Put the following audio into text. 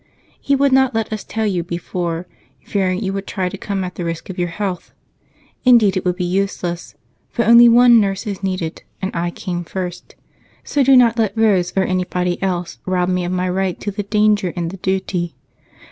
He would not let us tell you before, fearing you would try to come at the risk of your health. Indeed it would be useless, for only one nurse is needed, and I came first, so do not let Rose or anybody else rob me of my right to the danger and the duty.